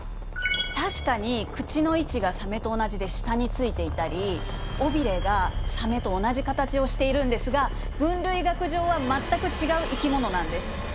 確かに口の位置がサメと同じで下についていたり尾ビレがサメと同じ形をしているんですが分類学上は全く違う生き物なんです。